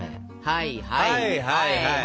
はいはいはいはい。